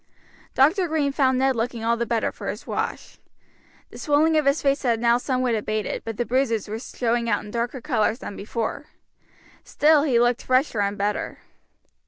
Dr. Green found Ned looking all the better for his wash. The swelling of his face had now somewhat abated, but the bruises were showing out in darker colors than before; still he looked fresher and better.